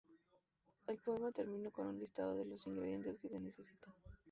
El poema termina con un listado de los ingredientes que se necesitan.